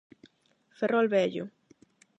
Ferrol vello.